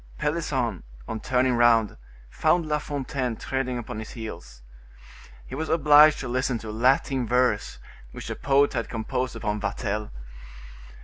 Pelisson, on turning round, found La Fontaine treading upon his heels. He was obliged to listen to a Latin verse, which the poet had composed upon Vatel.